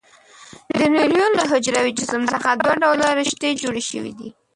د نیورون له حجروي جسم څخه دوه ډوله رشتې جوړې شوي دي.